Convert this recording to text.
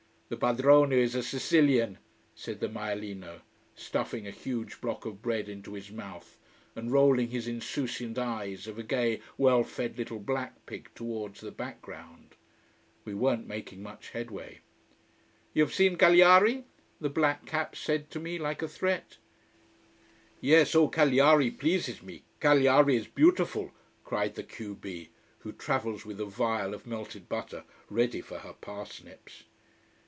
"The padrone is a Sicilian," said the maialino, stuffing a huge block of bread into his mouth, and rolling his insouciant eyes of a gay, well fed little black pig towards the background. We weren't making much headway. "You've seen Cagliari?" the black cap said to me, like a threat. "Yes! oh Cagliari pleases me Cagliari is beautiful!" cried the q b, who travels with a vial of melted butter ready for her parsnips.